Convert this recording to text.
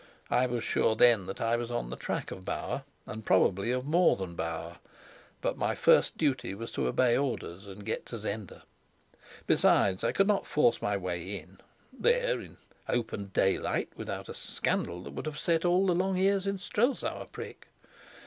I was sure then that I was on the track of Bauer, and probably of more than Bauer. But my first duty was to obey orders and get to Zenda. Besides, I could not force my way in, there in open daylight, without a scandal that would have set all the long ears in Strelsau aprick.